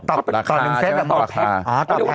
ต่อราคาเส้นแปลว่าหมื่น